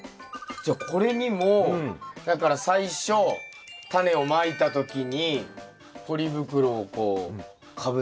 じゃあこれにもだから最初タネをまいた時にポリ袋をこうかぶせたじゃないですか。